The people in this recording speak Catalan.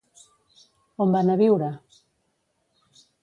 On van a viure?